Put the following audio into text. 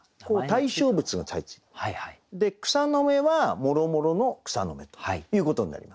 で草の芽はもろもろの草の芽ということになります。